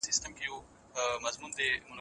د مهارت ارزښت څه دی؟